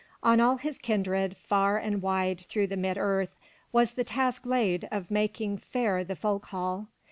On all his kindred, far and wide through the mid earth, was the task laid of making fair the folk hall.